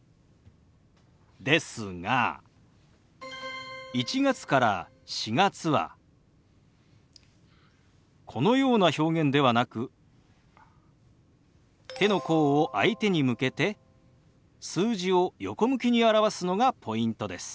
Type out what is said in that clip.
ですが１月から４月はこのような表現ではなく手の甲を相手に向けて数字を横向きに表すのがポイントです。